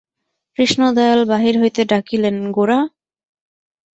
কৃষ্ণদয়াল বাহির হইতে ডাকিলেন, গোরা!